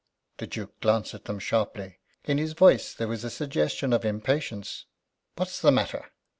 The Duke glanced at them sharply. In his voice there was a suggestion of impatience. "What is the matter?"